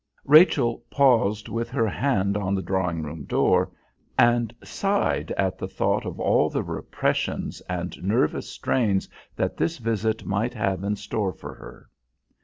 Rachel paused with her hand on the drawing room door, and sighed at the thought of all the repressions and nervous strains that this visit might have in store for her.